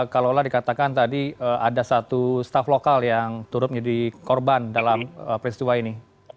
kalau lah dikatakan tadi ada satu staff lokal yang turut menjadi korban dalam peristiwa ini